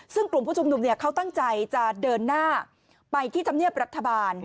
ซึ่งกลุ่มผู้ชุมนุมเขาตั้งใจจะเดินหน้าไปที่ธรรมเนียบรัฐบาล